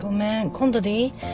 今度でいい？